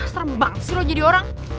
serem banget sih lo jadi orang